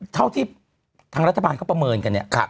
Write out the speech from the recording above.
เท่าที่ทางรัฐบาลเขาประเมินกันเนี่ย